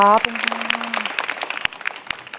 ขอบคุณมาก